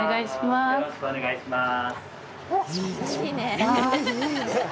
よろしくお願いします。